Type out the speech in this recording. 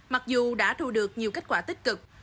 mặc dù đã thu được nhiều kết quả tích cực